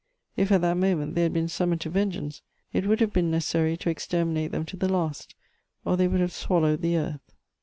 If, at that moment, they had been summoned to vengeance, it would have been necessary to exterminate them to the last, or they would have swallowed the earth.